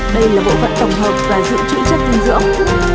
đây là bộ phận tổng hợp và dự trữ chất sinh dưỡng